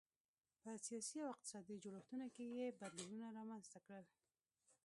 په سیاسي او اقتصادي جوړښتونو کې یې بدلونونه رامنځته کړل.